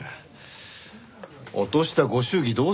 落としたご祝儀どうするんですか？